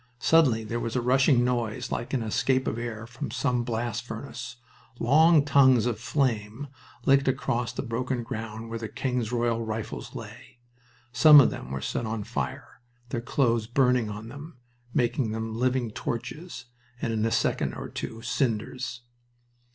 Suddenly there was a rushing noise like an escape of air from some blast furnace. Long tongues of flame licked across to the broken ground where the King's Royal Rifles lay. Some of them were set on fire, their clothes burning on them, making them living torches, and in a second or two cinders.